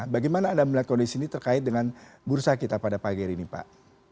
bagaimana anda melihat kondisi ini terkait dengan bursa kita pada pagi hari ini pak